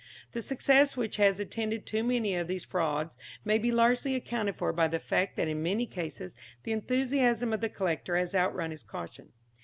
The success which has attended too many of these frauds may be largely accounted for by the fact that in many cases the enthusiasm of the collector has outrun his caution.